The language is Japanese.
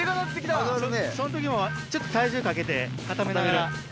その時もちょっと体重かけて固めながら。